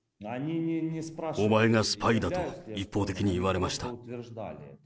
お前がスパイだと一方的に言われました。